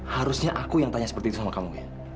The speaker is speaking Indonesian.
harusnya aku yang tanya seperti itu sama kamu ya